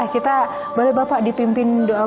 kita boleh bapak dipimpin doa